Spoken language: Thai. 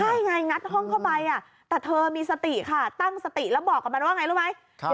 ใช่ไงงัดห้องเข้าไปแต่เธอมีสติค่ะตั้งสติแล้วบอกกับมันว่าไงรู้ไหม